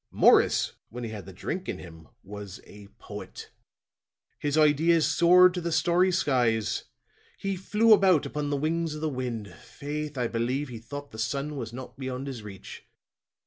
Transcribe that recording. Morris when he had the drink in him was a poet. His ideas soared to the starry skies; he flew about upon the wings of the wind; faith I believe he thought the sun was not beyond his reach.